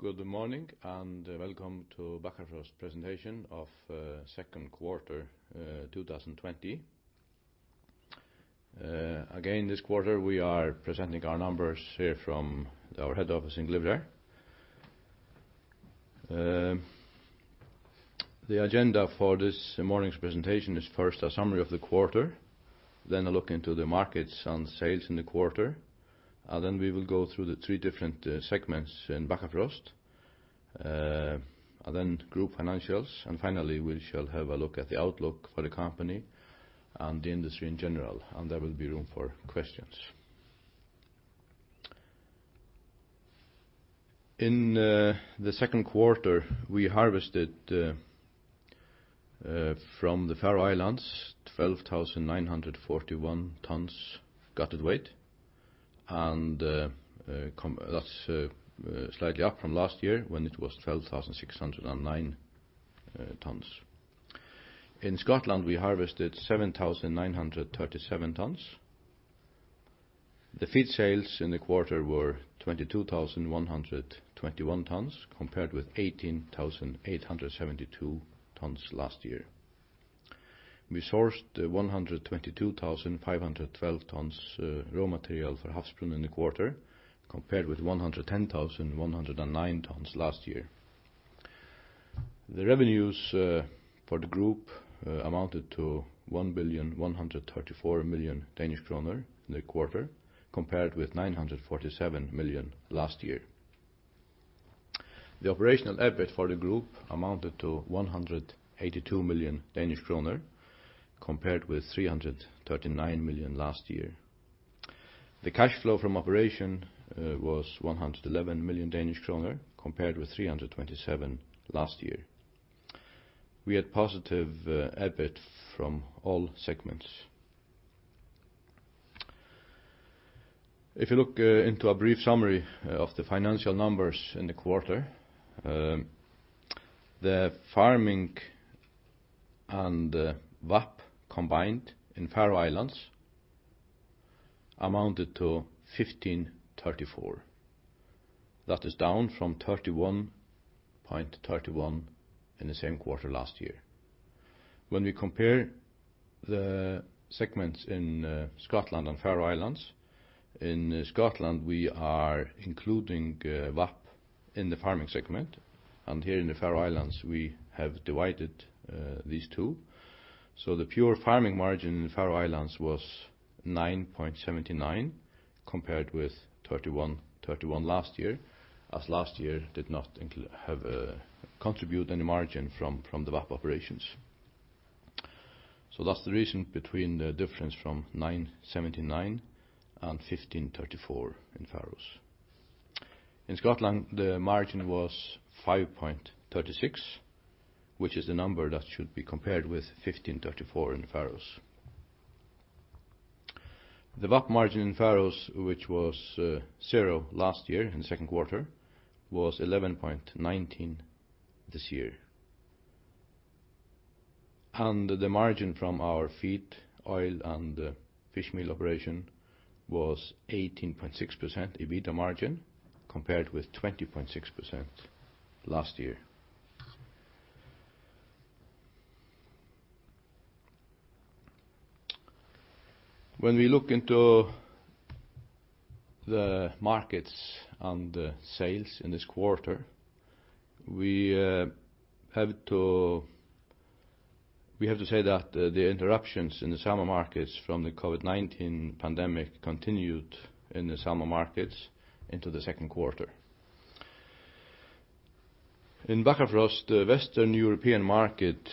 Good morning and welcome to Bakkafrost Høgni Dahl Jakobsen's presentation of second quarter 2020. Again, this quarter we are presenting our numbers here from our head office in Glyvrar. The agenda for this morning's presentation is first a summary of the quarter, then a look into the markets and sales in the quarter, and then we will go through the three different segments in Bakkafrost, and then group financials, and finally we shall have a look at the outlook for the company and the industry in general, and there will be room for questions. In the second quarter we harvested from the Faroe Islands 12,941 tonnes gutted weight, and that's slightly up from last year when it was 12,609 tonnes. In Scotland we harvested 7,937 tonnes. The feed sales in the quarter were 22,121 tonnes compared with 18,872 tonnes last year. We sourced 122,512 tonnes raw material for Havsbrún in the quarter compared with 110,109 tonnes last year. The revenues for the group amounted to 1,134,000,000 Danish kroner in the quarter compared with 947,000,000 last year. The operational effort for the group amounted to 182,000,000 Danish kroner compared with 339,000,000 last year. The cash flow from operation was 111,000,000 Danish kroner compared with 327,000,000 last year. We had positive effort from all segments. If you look into a brief summary of the financial numbers in the quarter, the farming and VAP combined in Faroe Islands amounted to 1,534. That is down from 31.31 in the same quarter last year. When we compare the segments in Scotland and Faroe Islands, in Scotland we are including VAP in the farming segment, and here in the Faroe Islands we have divided these two. The pure farming margin in Faroe Islands was 9.79 compared with 31.31 last year, as last year did not contribute any margin from the VAP operations. That's the reason between the difference from 9.79 and 15.34 in Faroes. In Scotland the margin was 5.36, which is the number that should be compared with 15.34 in Faroes. The VAP margin in Faroes, which was zero last year in the second quarter, was 11.19 this year. The margin from our feed, fish oil, and fishmeal operation was 18.6% EBITDA margin compared with 20.6% last year. When we look into the markets and the sales in this quarter, we have to say that the interruptions in the summer markets from the COVID-19 pandemic continued in the summer markets into the second quarter. In Bakkafrost, the Western European market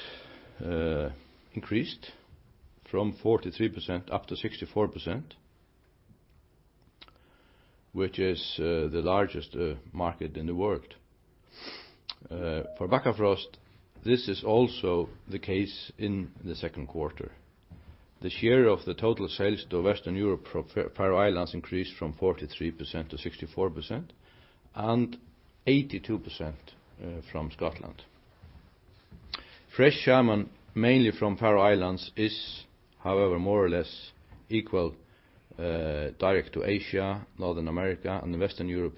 increased from 43% up to 64%, which is the largest market in the world. For Bakkafrost, this is also the case in the second quarter. The share of the total sales to Western Europe from Faroe Islands increased from 43% to 64%, and 82% from Scotland. Fresh salmon, mainly from Faroe Islands, is, however, more or less equal direct to Asia, North America, and Western Europe,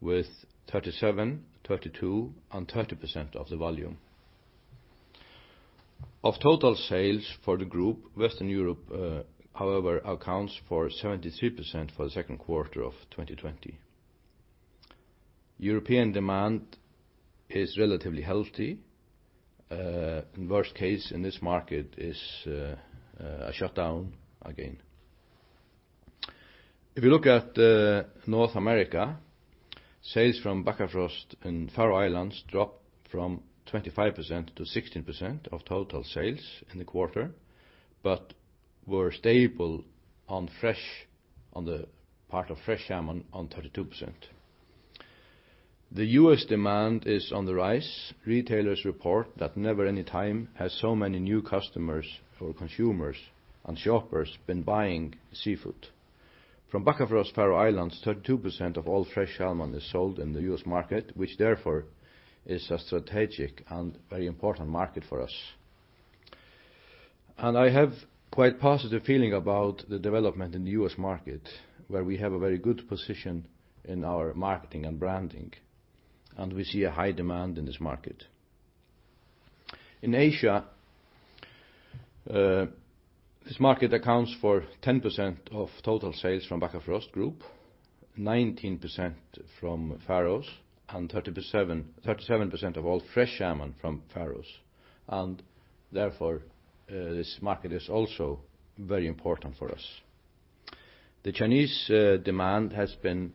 with 37%, 32%, and 30% of the volume. Of total sales for the group, Western Europe, however, accounts for 73% for the second quarter of 2020. European demand is relatively healthy. The worst case in this market is a shutdown again. If you look at North America, sales from Bakkafrost in Faroe Islands dropped from 25% to 16% of total sales in the quarter, but were stable on the part of fresh salmon on 32%. The U.S. demand is on the rise. Retailers report that never any time has so many new customers or consumers and shoppers been buying seafood. From Bakkafrost Faroe Islands, 32% of all fresh salmon is sold in the U.S. market, which therefore is a strategic and very important market for us, and I have quite a positive feeling about the development in the U.S. market, where we have a very good position in our marketing and branding, and we see a high demand in this market. In Asia, this market accounts for 10% of total sales from Bakkafrost Group, 19% from Faroes, and 37% of all fresh salmon from Faroes, and therefore this market is also very important for us. The Chinese demand has been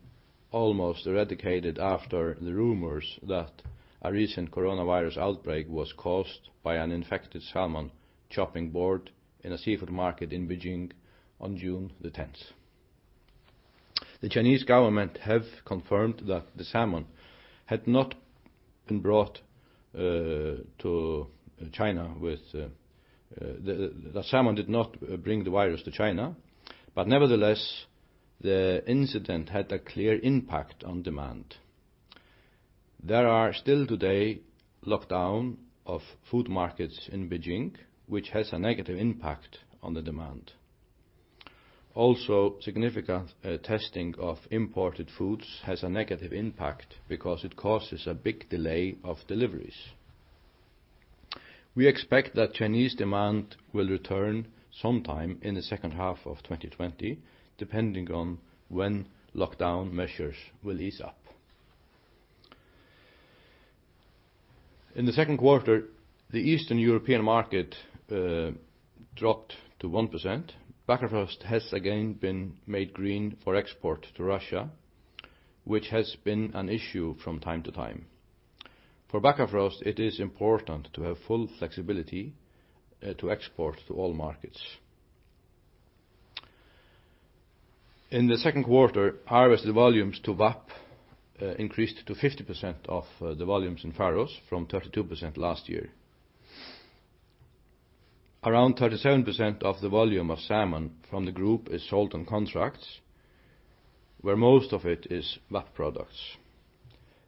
almost eradicated after the rumors that a recent coronavirus outbreak was caused by an infected salmon chopping board in a seafood market in Beijing on June the 10th. The Chinese government has confirmed that the salmon had not been brought to China, the salmon did not bring the virus to China, but nevertheless the incident had a clear impact on demand. There are still today lockdowns of food markets in Beijing, which has a negative impact on the demand. Also, significant testing of imported foods has a negative impact because it causes a big delay of deliveries. We expect that Chinese demand will return sometime in the second half of 2020, depending on when lockdown measures will ease up. In the second quarter, the Eastern European market dropped to 1%. Bakkafrost has again been made green for export to Russia, which has been an issue from time to time. For Bakkafrost, it is important to have full flexibility to export to all markets. In the second quarter, harvest volumes to VAP increased to 50% of the volumes in Faroes from 32% last year. Around 37% of the volume of salmon from the group is sold on contracts, where most of it is VAP products.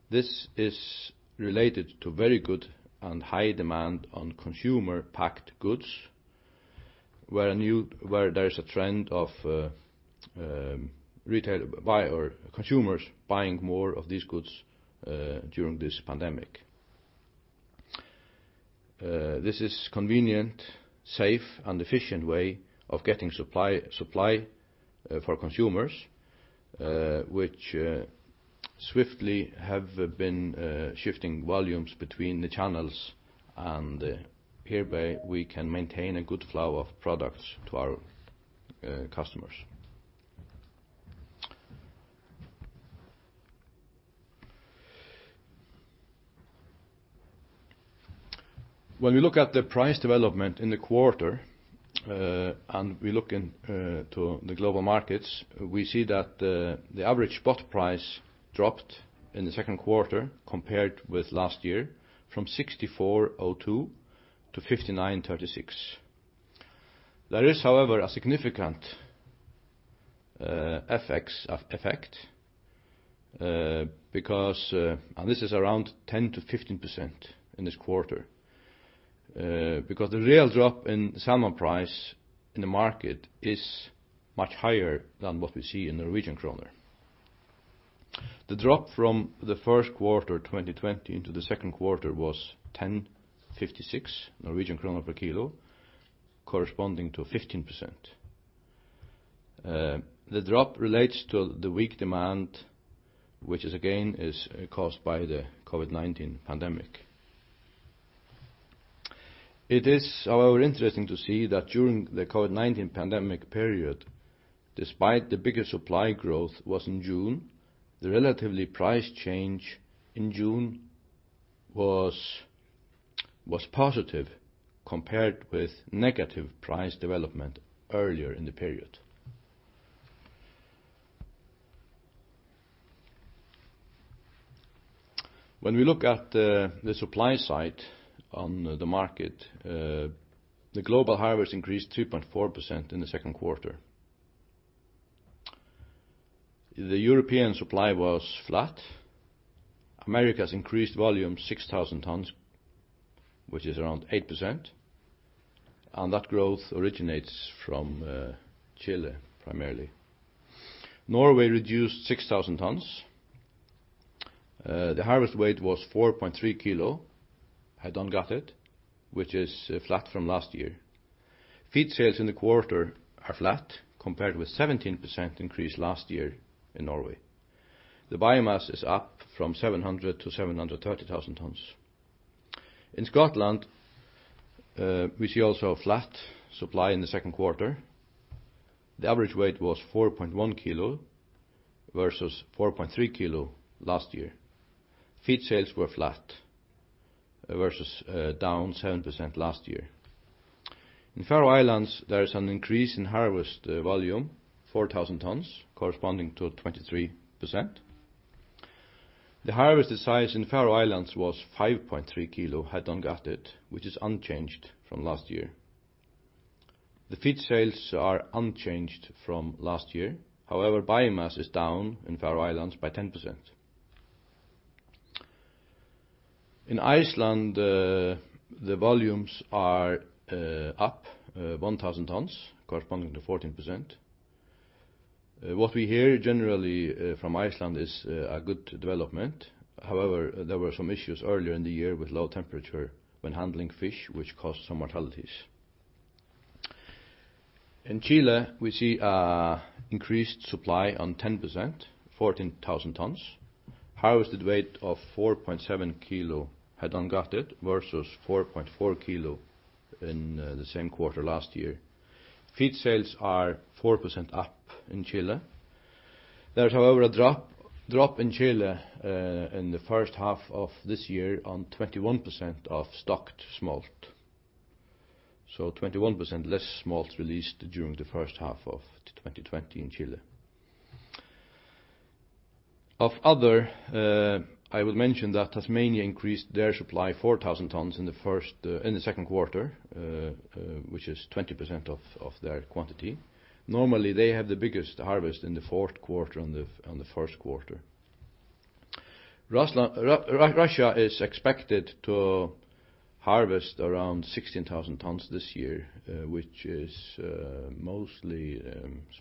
This is related to very good and high demand on consumer-packed goods, where there is a trend of consumers buying more of these goods during this pandemic. This is a convenient, safe, and efficient way of getting supply for consumers, which swiftly have been shifting volumes between the channels, and hereby we can maintain a good flow of products to our customers. When we look at the price development in the quarter, and we look to the global markets, we see that the average spot price dropped in the second quarter compared with last year from 64.02 to 59.36. There is, however, a significant effect because, and this is around 10%-15% in this quarter, because the real drop in salmon price in the market is much higher than what we see in Norwegian kroner. The drop from the first quarter 2020 into the second quarter was 10.56 Norwegian krone per kilo, corresponding to 15%. The drop relates to the weak demand, which is again caused by the COVID-19 pandemic. It is, however, interesting to see that during the COVID-19 pandemic period, despite the biggest supply growth was in June, the relative price change in June was positive compared with negative price development earlier in the period. When we look at the supply side on the market, the global harvest increased 2.4% in the second quarter. The European supply was flat. Americas increased volume 6,000 tonnes, which is around 8%, and that growth originates from Chile primarily. Norway reduced 6,000 tonnes. The harvest weight was 4.3 kilo head on gutted, which is flat from last year. Feed sales in the quarter are flat compared with 17% increase last year in Norway. The biomass is up from 700,000 to 730,000 tonnes. In Scotland, we see also a flat supply in the second quarter. The average weight was 4.1 kilo versus 4.3 kilo last year. Feed sales were flat versus down 7% last year. In Faroe Islands, there is an increase in harvest volume, 4,000 tonnes, corresponding to 23%. The harvest size in Faroe Islands was 5.3 kilo head on gutted, which is unchanged from last year. The feed sales are unchanged from last year. However, biomass is down in Faroe Islands by 10%. In Iceland, the volumes are up 1,000 tonnes, corresponding to 14%. What we hear generally from Iceland is a good development. However, there were some issues earlier in the year with low temperature when handling fish, which caused some mortalities. In Chile, we see an increased supply on 10%, 14,000 tonnes. Harvested weight of 4.7 kilo head on gutted versus 4.4 kilo in the same quarter last year. Feed sales are 4% up in Chile. There is, however, a drop in Chile in the first half of this year on 21% of stocked smolt. So, 21% less smolt released during the first half of 2020 in Chile. Of other, I would mention that Tasmania increased their supply 4,000 tonnes in the second quarter, which is 20% of their quantity. Normally, they have the biggest harvest in the fourth quarter and the first quarter. Russia is expected to harvest around 16,000 tonnes this year, which is mostly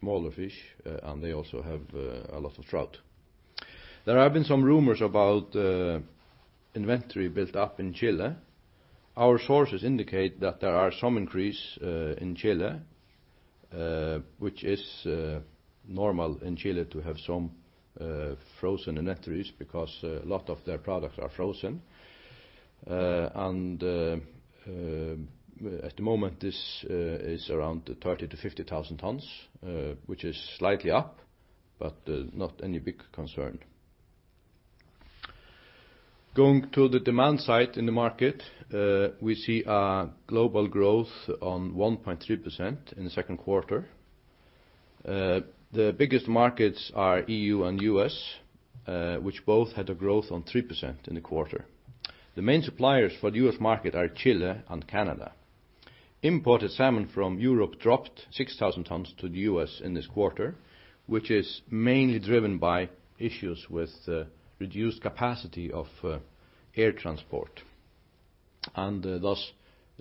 smaller fish, and they also have a lot of trout. There have been some rumours about inventory built up in Chile. Our sources indicate that there are some increases in Chile, which is normal in Chile to have some frozen inventories because a lot of their products are frozen. At the moment, this is around 30,000-50,000 tonnes, which is slightly up, but not any big concern. Going to the demand side in the market, we see a global growth on 1.3% in the second quarter. The biggest markets are E.U. and U.S., which both had a growth on 3% in the quarter. The main suppliers for the U.S. market are Chile and Canada. Imported salmon from Europe dropped 6,000 tonnes to the U.S. in this quarter, which is mainly driven by issues with reduced capacity of air transport, and thus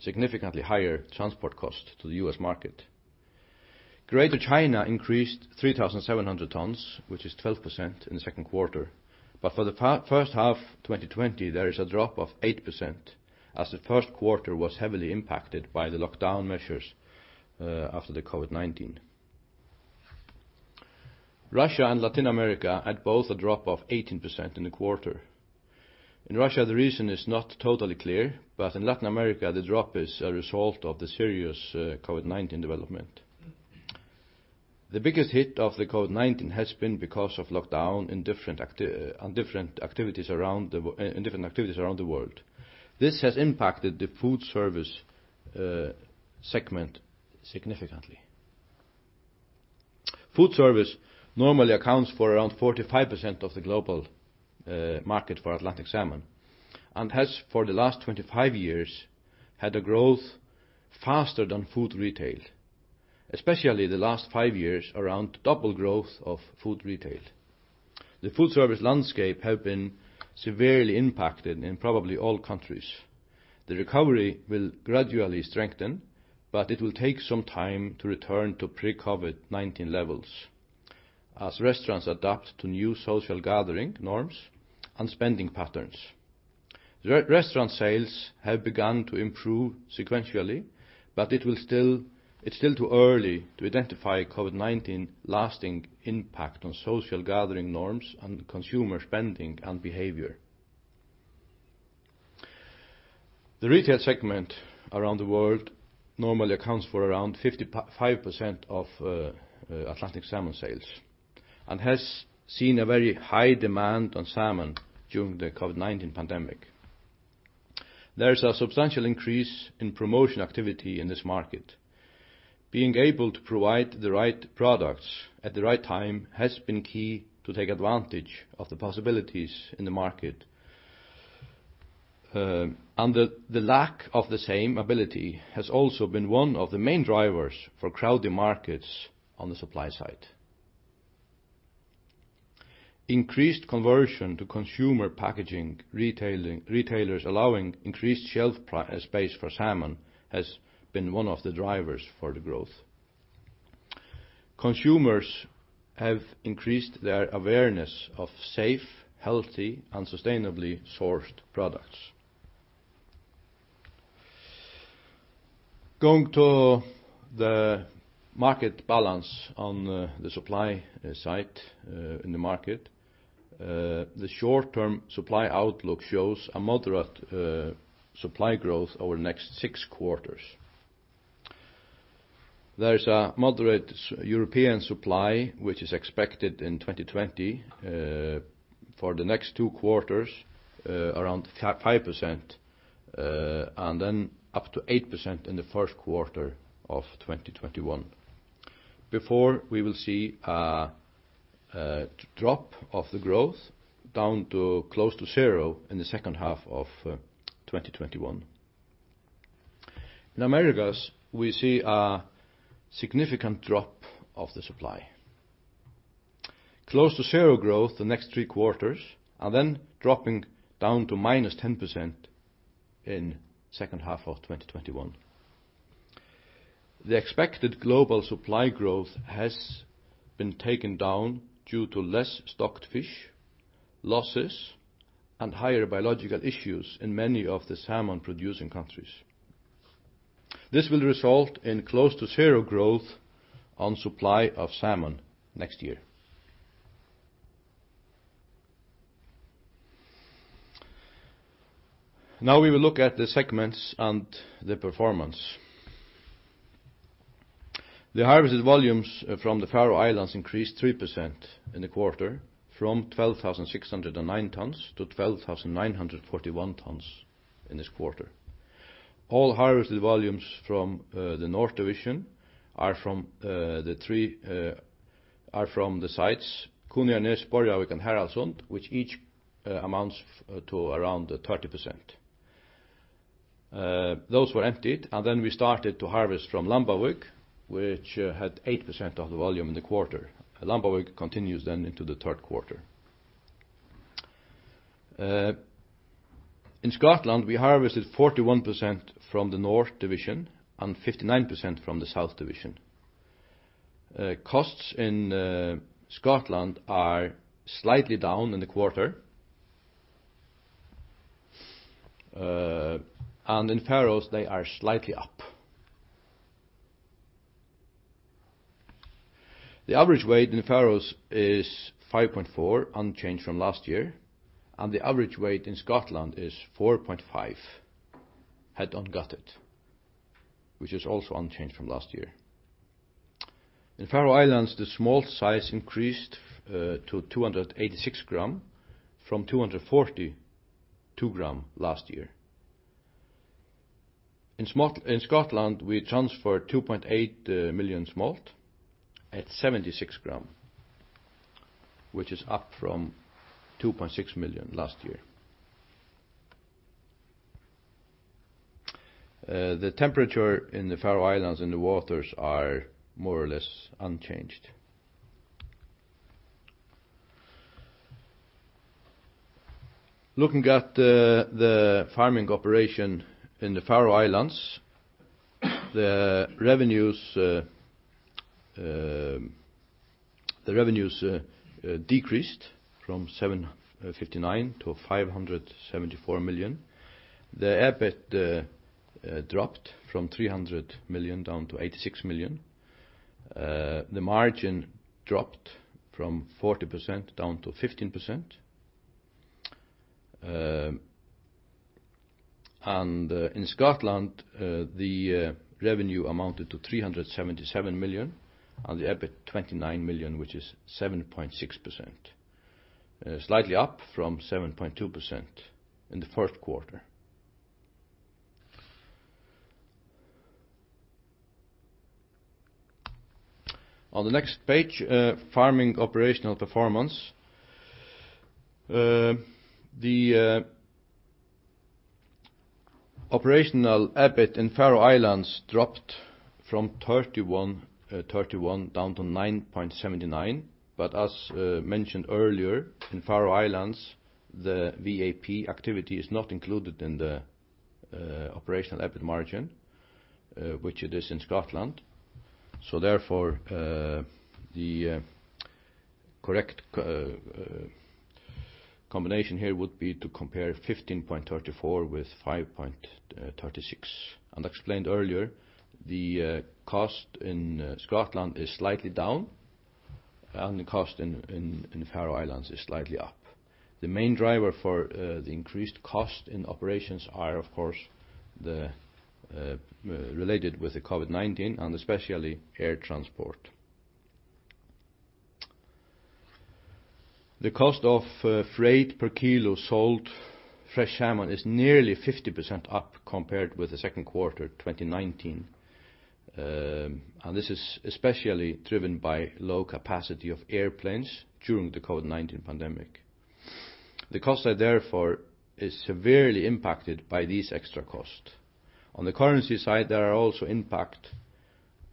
significantly higher transport costs to the U.S. market. Greater China increased 3,700 tonnes, which is 12% in the second quarter. But for the first half 2020, there is a drop of 8%, as the first quarter was heavily impacted by the lockdown measures after the COVID-19. Russia and Latin America had both a drop of 18% in the quarter. In Russia, the reason is not totally clear, but in Latin America, the drop is a result of the serious COVID-19 development. The biggest hit of the COVID-19 has been because of lockdown and different activities around the world. This has impacted the food service segment significantly. Food service normally accounts for around 45% of the global market for Atlantic salmon and has for the last 25 years had a growth faster than food retail, especially the last five years around double growth of food retail. The food service landscape has been severely impacted in probably all countries. The recovery will gradually strengthen, but it will take some time to return to pre-COVID-19 levels, as restaurants adapt to new social gathering norms and spending patterns. Restaurant sales have begun to improve sequentially, but it's still too early to identify COVID-19 lasting impact on social gathering norms and consumer spending and behavior. The retail segment around the world normally accounts for around 55% of Atlantic salmon sales and has seen a very high demand on salmon during the COVID-19 pandemic. There is a substantial increase in promotion activity in this market. Being able to provide the right products at the right time has been key to take advantage of the possibilities in the market. And the lack of the same ability has also been one of the main drivers for crowded markets on the supply side. Increased conversion to consumer packaging retailers, allowing increased shelf space for salmon, has been one of the drivers for the growth. Consumers have increased their awareness of safe, healthy, and sustainably sourced products. Going to the market balance on the supply side in the market, the short-term supply outlook shows a moderate supply growth over the next six quarters. There is a moderate European supply, which is expected in 2020 for the next two quarters, around 5%, and then up to 8% in the first quarter of 2021. Before, we will see a drop of the growth down to close to zero in the second half of 2021. In Americas, we see a significant drop of the supply. Close to zero growth the next three quarters, and then dropping down to minus 10% in the second half of 2021. The expected global supply growth has been taken down due to less stocked fish, losses, and higher biological issues in many of the salmon-producing countries. This will result in close to zero growth on supply of salmon next year. Now, we will look at the segments and the performance. The harvested volumes from the Faroe Islands increased 3% in the quarter, from 12,609 tonnes to 12,941 tonnes in this quarter. All harvested volumes from the North Division are from the sites Kunoyarnes and Haraldssund, which each amounts to around 30%. Those were emptied, and then we started to harvest from Lambavík, which had 8% of the volume in the quarter. Lambavík continues then into the third quarter. In Scotland, we harvested 41% from the North Division and 59% from the South Division. Costs in Scotland are slightly down in the quarter, and in Faroes, they are slightly up. The average weight in Faroes is 5.4, unchanged from last year, and the average weight in Scotland is 4.5 head on gutted, which is also unchanged from last year. In Faroe Islands, the smolt size increased to 286 grams, from 242 grams last year. In Scotland, we transferred 2.8 million smolt at 76 grams, which is up from 2.6 million last year. The temperature in the Faroe Islands and the waters are more or less unchanged. Looking at the farming operation in the Faroe Islands, the revenues decreased from 759 million to 574 million. The EBIT dropped from 300 million down to 86 million. The margin dropped from 40% down to 15%. And in Scotland, the revenue amounted to 377 million, and the EBIT 29 million, which is 7.6%, slightly up from 7.2% in the first quarter. On the next page, farming operational performance. The operational EBIT in Faroe Islands dropped from 31 down to 9.79, but as mentioned earlier, in Faroe Islands, the VAP activity is not included in the operational EBIT margin, which it is in Scotland. So therefore, the correct combination here would be to compare 15.34 with 5.36. As explained earlier, the cost in Scotland is slightly down, and the cost in Faroe Islands is slightly up. The main driver for the increased cost in operations are, of course, related with the COVID-19, and especially air transport. The cost of freight per kilo sold fresh salmon is nearly 50% up compared with the second quarter 2019, and this is especially driven by low capacity of airplanes during the COVID-19 pandemic. The costs are therefore severely impacted by these extra costs. On the currency side, there are also impacts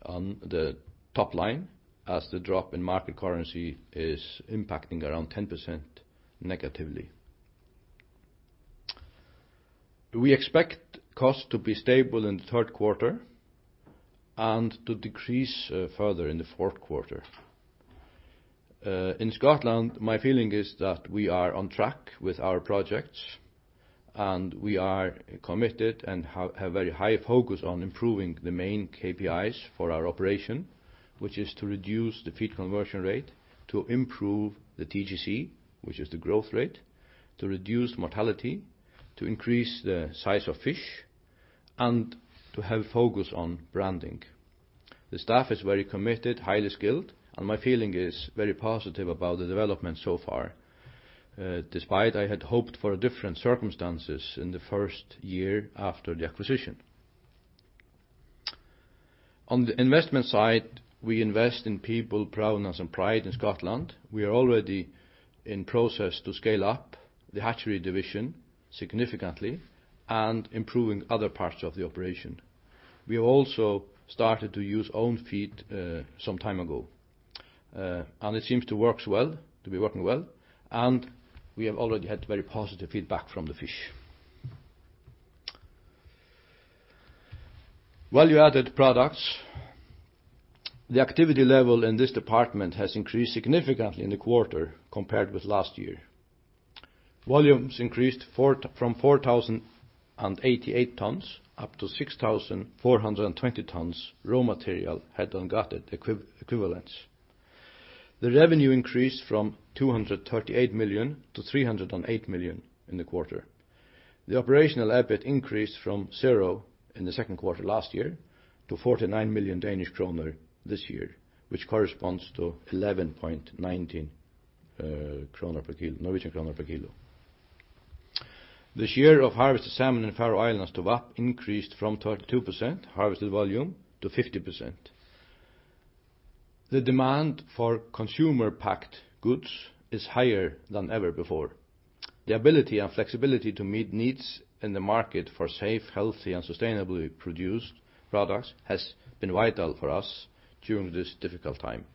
on the top line, as the drop in market currency is impacting around 10% negatively. We expect costs to be stable in the third quarter and to decrease further in the fourth quarter. In Scotland, my feeling is that we are on track with our projects, and we are committed and have very high focus on improving the main KPIs for our operation, which is to reduce the feed conversion rate, to improve the TGC, which is the growth rate, to reduce mortality, to increase the size of fish, and to have a focus on branding. The staff is very committed, highly skilled, and my feeling is very positive about the development so far, despite I had hoped for different circumstances in the first year after the acquisition. On the investment side, we invest in people, prowess, and pride in Scotland. We are already in process to scale up the hatchery division significantly and improving other parts of the operation. We have also started to use own feed some time ago, and it seems to work well, to be working well, and we have already had very positive feedback from the fish. Value-added products. The activity level in this department has increased significantly in the quarter compared with last year. Volumes increased from 4,088 tonnes up to 6,420 tonnes raw material head on gutted equivalents. The revenue increased from 238 million to 308 million in the quarter. The operational EBIT increased from zero in the second quarter last year to 49 million Danish kroner this year, which corresponds to 11.19 kroner per kilo. The share of harvested salmon in Faroe Islands to VAP increased from 32% harvested volume to 50%. The demand for consumer-packed goods is higher than ever before. The ability and flexibility to meet needs in the market for safe, healthy, and sustainably produced products has been vital for us during this difficult time.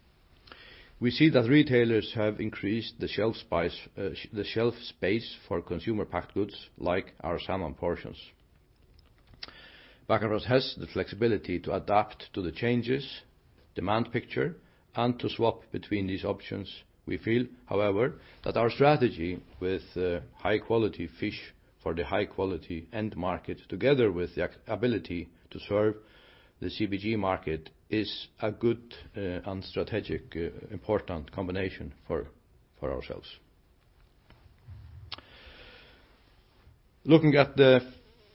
We see that retailers have increased the shelf space for consumer-packed goods like our salmon portions. Bakkafrost has the flexibility to adapt to the changes in the demand picture and to swap between these options. We feel, however, that our strategy with high-quality fish for the high-quality end market, together with the ability to serve the CPG market, is a good and strategic, important combination for ourselves. Looking at the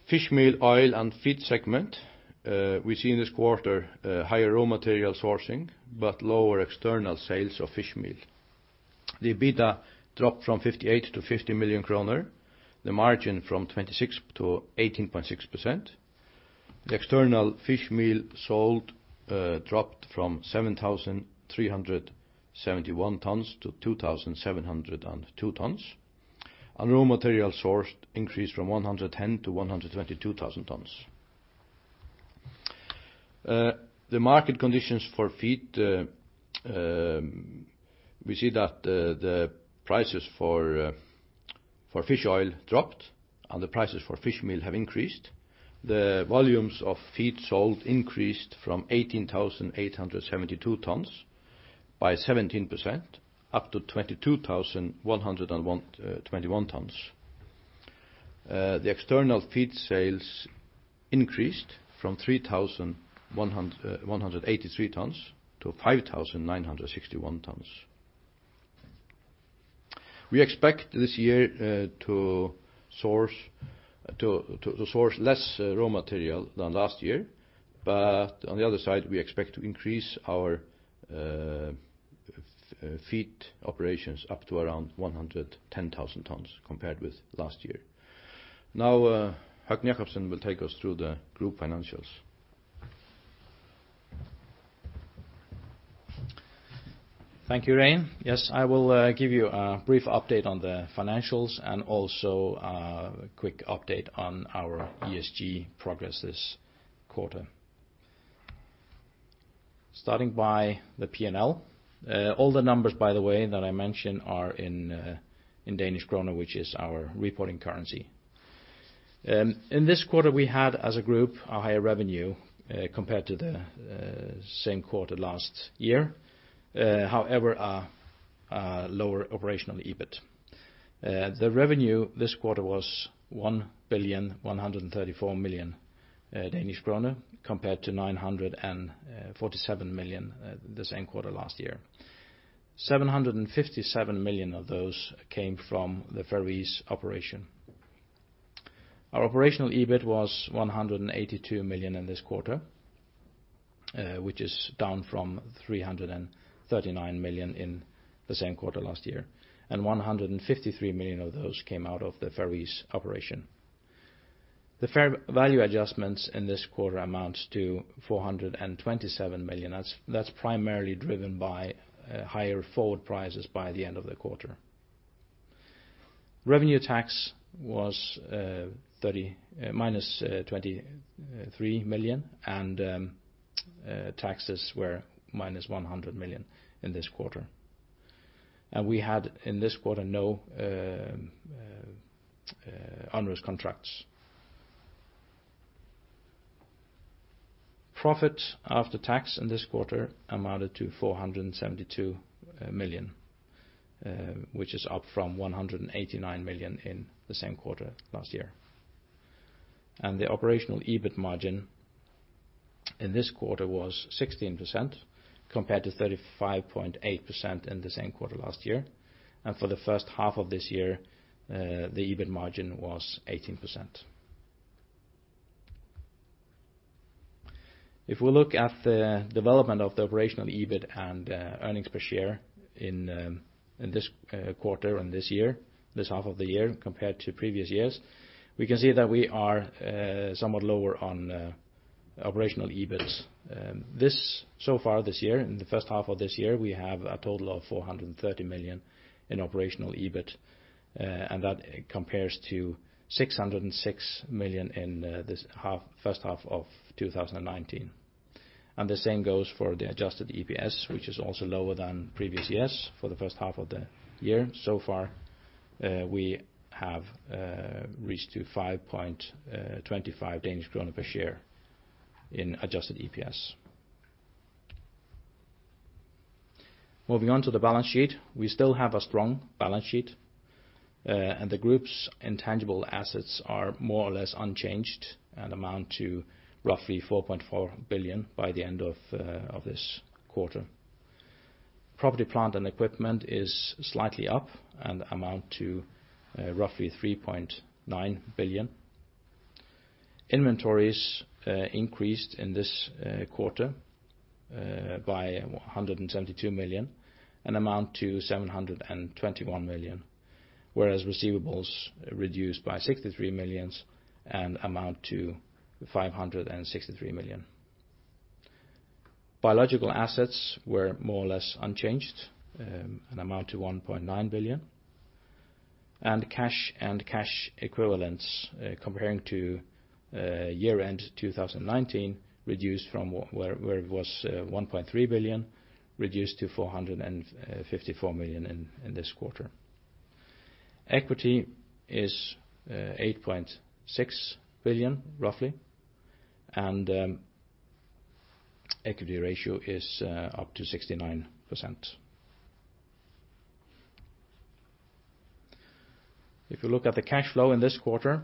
fish meal, oil, and feed segment, we see in this quarter higher raw material sourcing but lower external sales of fish meal. The EBITDA dropped from 58 million to 50 million kroner, the margin from 26% to 18.6%. The external fish meal sold dropped from 7,371 tonnes to 2,702 tonnes, and raw material sourced increased from 110,000 to 122,000 tonnes. The market conditions for feed, we see that the prices for fish oil dropped, and the prices for fish meal have increased. The volumes of feed sold increased from 18,872 tonnes by 17% up to 22,121 tonnes. The external feed sales increased from 3,183 tonnes to 5,961 tonnes. We expect this year to source less raw material than last year, but on the other side, we expect to increase our feed operations up to around 110,000 tonnes compared with last year. Now, Høgni Jakobsen will take us through the group financials. Thank you, Regin. Yes, I will give you a brief update on the financials and also a quick update on our ESG progress this quarter. Starting by the P&L. All the numbers, by the way, that I mentioned are in Danish kroner, which is our reporting currency. In this quarter, we had, as a group, a higher revenue compared to the same quarter last year. However, a lower operational EBIT. The revenue this quarter was 1,134 million Danish kroner compared to 947 million the same quarter last year. 757 million of those came from the ferries operation. Our operational EBIT was 182 million in this quarter, which is down from 339 million in the same quarter last year, and 153 million of those came out of the ferries operation. The fair value adjustments in this quarter amount to 427 million. That's primarily driven by higher forward prices by the end of the quarter. Revenue tax was -23 million, and taxes were -100 million in this quarter. And we had, in this quarter, no onerous contracts. Profit after tax in this quarter amounted to 472 million, which is up from 189 million in the same quarter last year. The operational EBIT margin in this quarter was 16% compared to 35.8% in the same quarter last year. For the first half of this year, the EBIT margin was 18%. If we look at the development of the operational EBIT and earnings per share in this quarter and this year, this half of the year, compared to previous years, we can see that we are somewhat lower on operational EBITs. So far this year, in the first half of this year, we have a total of 430 million in operational EBIT, and that compares to 606 million in the first half of 2019. The same goes for the adjusted EPS, which is also lower than previous years for the first half of the year. So far, we have reached 5.25 Danish krone per share in adjusted EPS. Moving on to the balance sheet, we still have a strong balance sheet, and the group's intangible assets are more or less unchanged and amount to roughly 4.4 billion by the end of this quarter. Property, plant, and equipment is slightly up and amount to roughly 3.9 billion. Inventories increased in this quarter by 172 million and amount to 721 million, whereas receivables reduced by 63 million and amount to 563 million. Biological assets were more or less unchanged and amount to 1.9 billion. Cash and cash equivalents, comparing to year-end 2019, reduced from where it was 1.3 billion, reduced to 454 million in this quarter. Equity is 8.6 billion, roughly, and equity ratio is up to 69%. If we look at the cash flow in this quarter,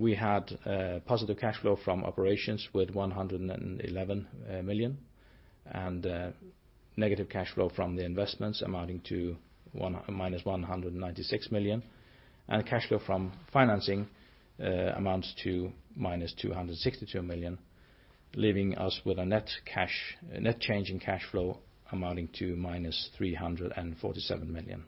we had positive cash flow from operations with 111 million and negative cash flow from the investments amounting to minus 196 million, and cash flow from financing amounts to minus 262 million, leaving us with a net change in cash flow amounting to minus 347 million.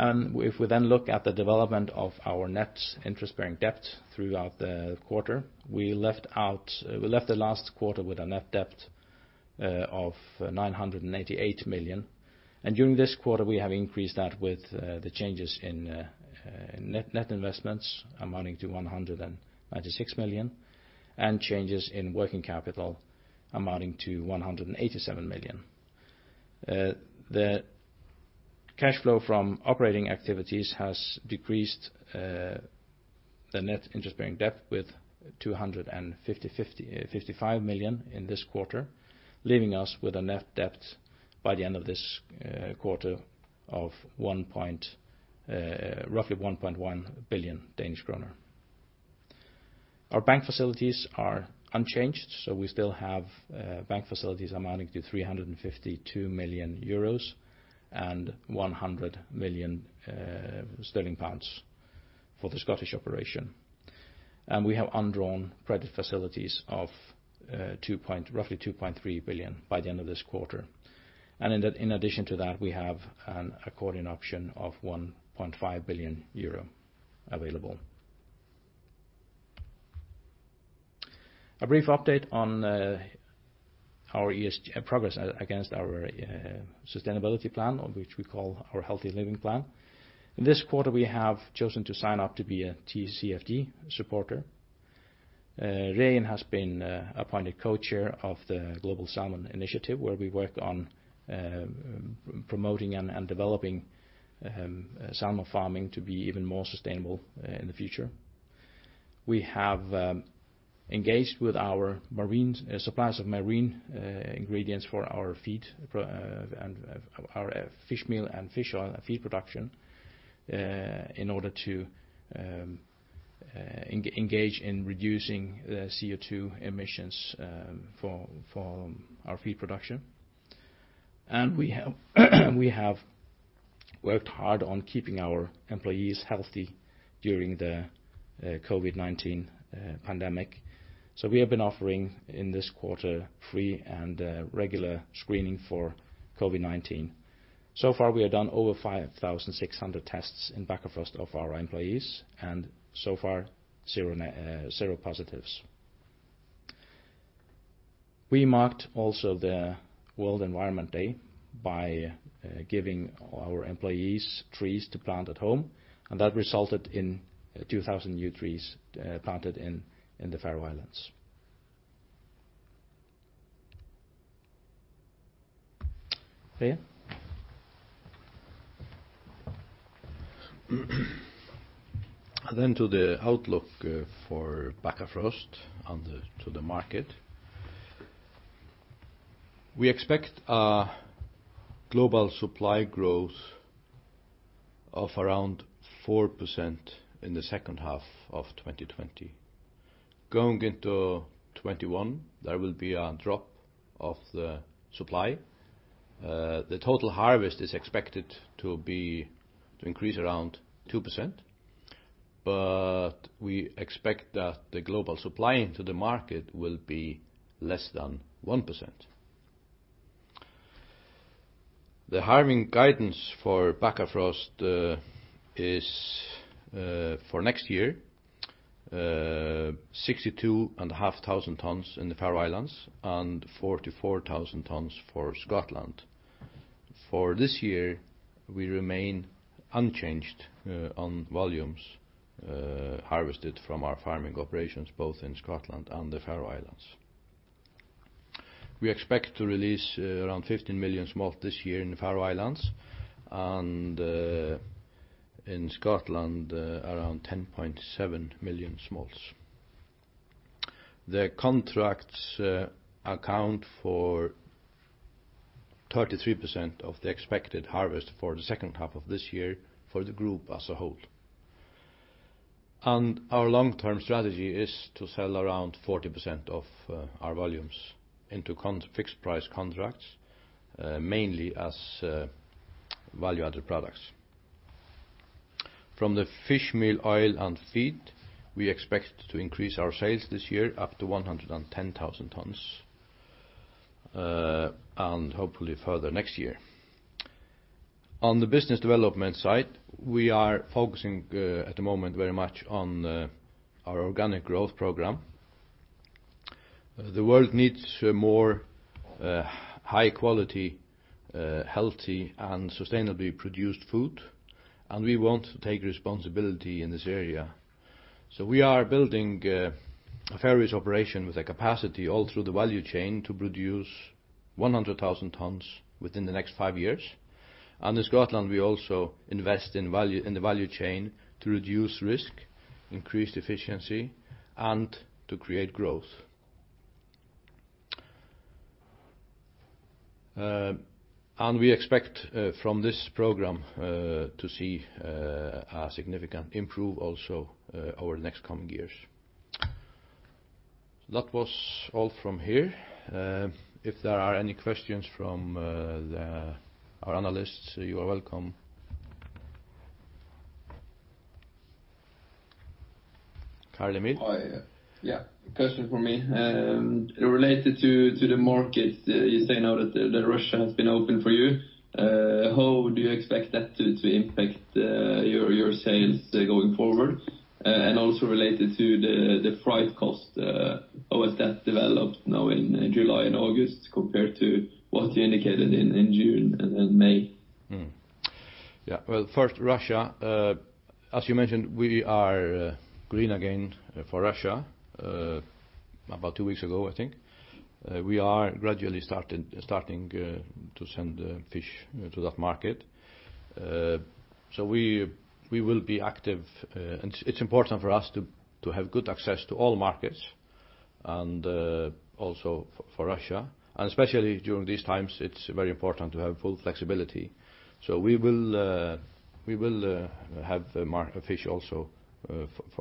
And if we then look at the development of our net interest-bearing debt throughout the quarter, we left the last quarter with a net debt of 988 million. And during this quarter, we have increased that with the changes in net investments amounting to 196 million and changes in working capital amounting to 187 million. The cash flow from operating activities has decreased the net interest-bearing debt with 255 million in this quarter, leaving us with a net debt by the end of this quarter of roughly 1.1 billion Danish kroner. Our bank facilities are unchanged, so we still have bank facilities amounting to 352 million euros and 100 million sterling for the Scottish operation. And we have undrawn credit facilities of roughly 2.3 billion by the end of this quarter. And in addition to that, we have an accordion option of 1.5 billion euro available. A brief update on our progress against our sustainability plan, which we call our Healthy Living Plan. In this quarter, we have chosen to sign up to be a TCFD supporter. Regin has been appointed co-chair of the Global Salmon Initiative, where we work on promoting and developing salmon farming to be even more sustainable in the future. We have engaged with our suppliers of marine ingredients for our feed and our fish meal and fish oil and feed production in order to engage in reducing the CO2 emissions for our feed production. We have worked hard on keeping our employees healthy during the COVID-19 pandemic. We have been offering in this quarter free and regular screening for COVID-19. So far, we have done over 5,600 tests in Bakkafrost of our employees, and so far, zero positives. We marked also the World Environment Day by giving our employees trees to plant at home, and that resulted in 2,000 new trees planted in the Faroe Islands. Regin? To the outlook for Bakkafrost and to the market. We expect a global supply growth of around 4% in the second half of 2020. Going into 2021, there will be a drop of the supply. The total harvest is expected to increase around 2%, but we expect that the global supply into the market will be less than 1%. The harvesting guidance for Bakkafrost is for next year, 62,500 tonnes in the Faroe Islands and 44,000 tonnes for Scotland. For this year, we remain unchanged on volumes harvested from our farming operations, both in Scotland and the Faroe Islands. We expect to release around 15 million smolts this year in the Faroe Islands and in Scotland around 10.7 million smolts. The contracts account for 33% of the expected harvest for the second half of this year for the group as a whole, and our long-term strategy is to sell around 40% of our volumes into fixed-price contracts, mainly as value-added products. From the fish meal, oil, and feed, we expect to increase our sales this year up to 110,000 tonnes and hopefully further next year. On the business development side, we are focusing at the moment very much on our organic growth program. The world needs more high-quality, healthy, and sustainably produced food, and we want to take responsibility in this area. So we are building a farming operation with a capacity all through the value chain to produce 100,000 tonnes within the next five years. And in Scotland, we also invest in the value chain to reduce risk, increase efficiency, and to create growth. And we expect from this program to see a significant improvement also over the next coming years. That was all from here. If there are any questions from our analysts, you are welcome. Carl-Emil Kjølås Johannessen? Hi. Yeah. Question for me. Related to the markets, you say now that Russia has been open for you. How do you expect that to impact your sales going forward? And also related to the flight cost, how has that developed now in July and August compared to what you indicated in June and May? Yeah. Well, first, Russia, as you mentioned, we are green again for Russia. About two weeks ago, I think, we are gradually starting to send fish to that market. So we will be active. It's important for us to have good access to all markets and also for Russia. And especially during these times, it's very important to have full flexibility. So we will have fish also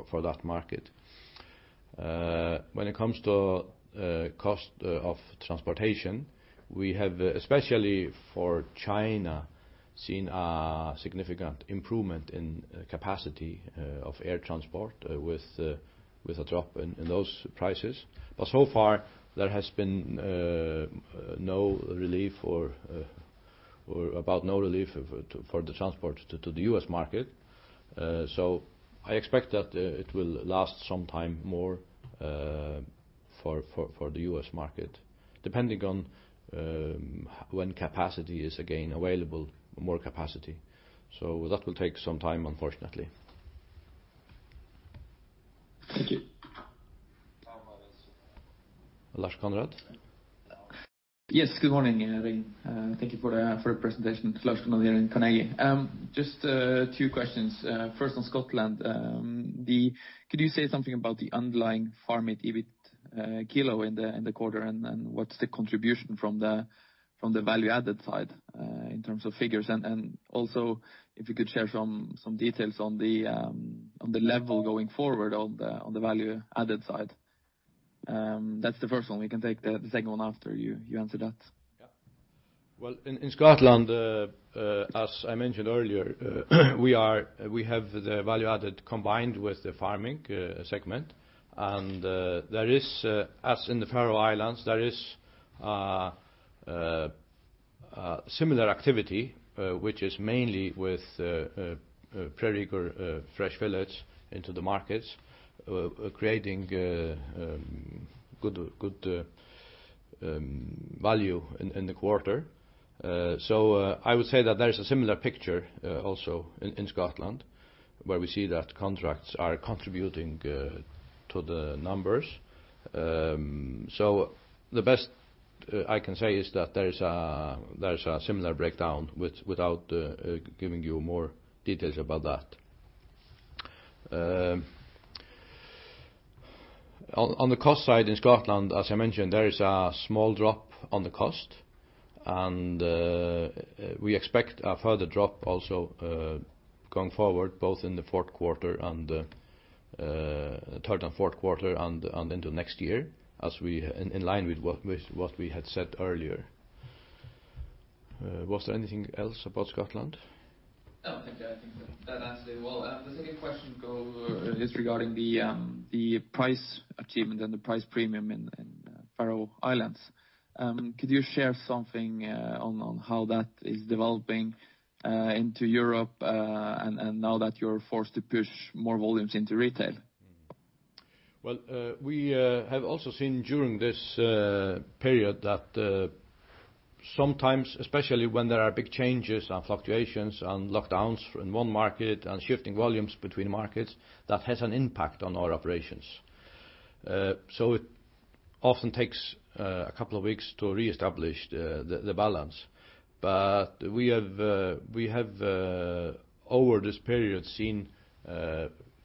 for that market. When it comes to cost of transportation, we have, especially for China, seen a significant improvement in capacity of air transport with a drop in those prices. But so far, there has been no relief or about no relief for the transport to the U.S. market. I expect that it will last some time more for the U.S. market, depending on when capacity is again available, more capacity. So that will take some time, unfortunately. Thank you. Lars Konrad Johnsen? Yes. Good morning, Regin. Thank you for the presentation. Lars Konrad Johnsen here in Carnegie. Just two questions. First, on Scotland, could you say something about the underlying farming EBIT kilo in the quarter and what's the contribution from the value-added side in terms of figures? And also, if you could share some details on the level going forward on the value-added side. That's the first one. We can take the second one after you answer that. Yeah. In Scotland, as I mentioned earlier, we have the value-added combined with the farming segment. As in the Faroe Islands, there is similar activity, which is mainly with primarily fresh volume into the markets, creating good value in the quarter. I would say that there is a similar picture also in Scotland, where we see that contracts are contributing to the numbers. The best I can say is that there is a similar breakdown without giving you more details about that. On the cost side in Scotland, as I mentioned, there is a small drop on the cost, and we expect a further drop also going forward, both in the third and fourth quarter and into next year, in line with what we had said earlier. Was there anything else about Scotland? No, thank you. I think that answered it well. The second question is regarding the price achievement and the price premium in the Faroe Islands. Could you share something on how that is developing into Europe and now that you're forced to push more volumes into retail? Well, we have also seen during this period that sometimes, especially when there are big changes and fluctuations and lockdowns in one market and shifting volumes between markets, that has an impact on our operations. So it often takes a couple of weeks to reestablish the balance. But we have, over this period, seen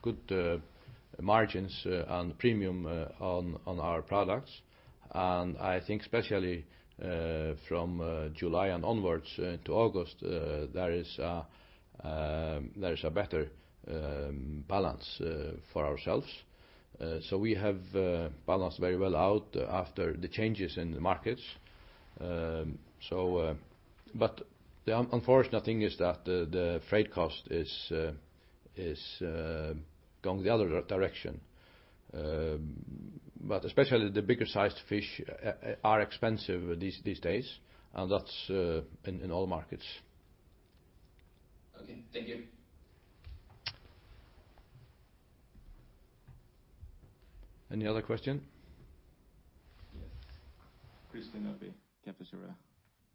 good margins and premium on our products. And I think, especially from July and onwards to August, there is a better balance for ourselves. So we have balanced very well out after the changes in the markets. But the unfortunate thing is that the freight cost is going the other direction. But especially the bigger-sized fish are expensive these days, and that's in all markets. Okay. Thank you. Any other question? Yes. Christian Nordby, Kepler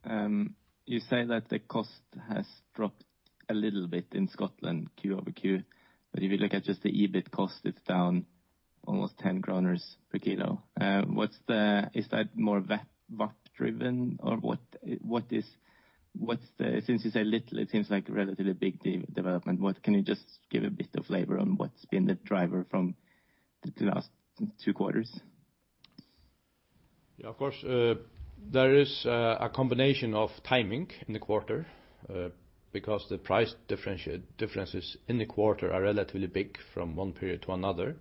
Cheuvreux. You say that the cost has dropped a little bit in Scotland, Q over Q, but if you look at just the EBIT cost, it's down almost 10 kroner per kilo. Is that more VAP-driven, or what is since you say little, it seems like a relatively big development. Can you just give a bit of flavor on what's been the driver from the last two quarters? Yeah, of course. There is a combination of timing in the quarter because the price differences in the quarter are relatively big from one period to another.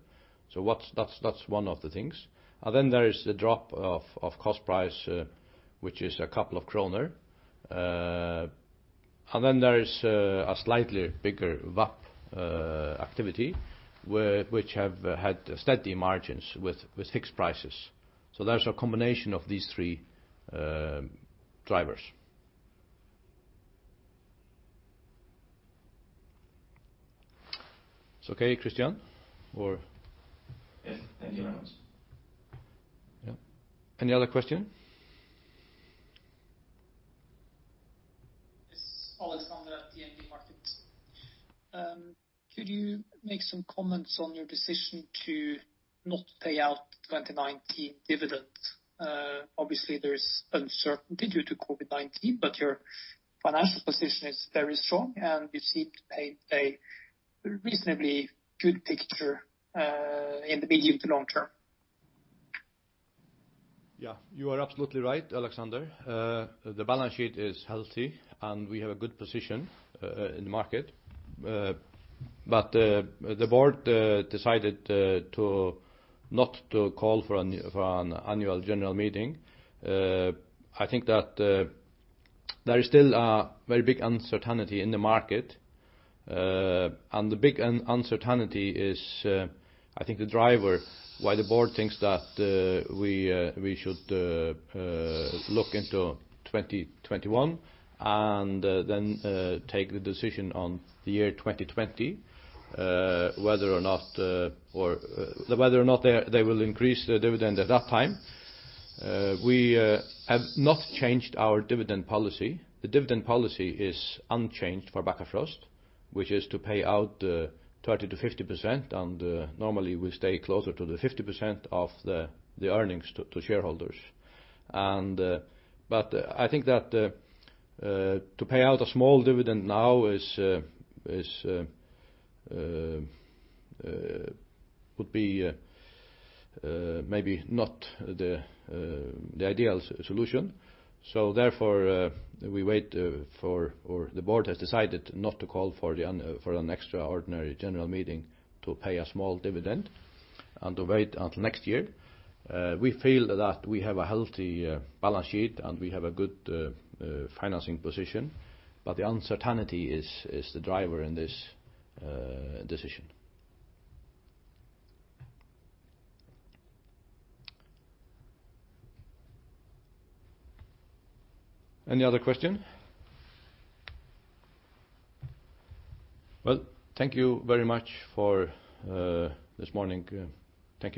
So that's one of the things. And then there is the drop of cost price, which is a couple of NOK. And then there is a slightly bigger VAP activity, which have had steady margins with fixed prices. So there's a combination of these three drivers. Okay, Christian? Yes. Thank you very much. Yeah. Any other question? Yes. Alexander Aukner, DNB Markets. Could you make some comments on your decision to not pay out 2019 dividends? Obviously, there's uncertainty due to COVID-19, but your financial position is very strong, and you seem to paint a reasonably good picture in the medium to long term. Yeah. You are absolutely right, Alexander. The balance sheet is healthy, and we have a good position in the market. But the board decided not to call for an annual general meeting. I think that there is still a very big uncertainty in the market. And the big uncertainty is, I think, the driver why the board thinks that we should look into 2021 and then take the decision on the year 2020, whether or not or whether or not they will increase the dividend at that time. We have not changed our dividend policy. The dividend policy is unchanged for Bakkafrost, which is to pay out 30%-50%, and normally, we stay closer to the 50% of the earnings to shareholders. But I think that to pay out a small dividend now would be maybe not the ideal solution. So therefore, we wait for or the board has decided not to call for an extraordinary general meeting to pay a small dividend and to wait until next year. We feel that we have a healthy balance sheet, and we have a good financing position. But the uncertainty is the driver in this decision. Any other question? Well, thank you very much for this morning. Thank you.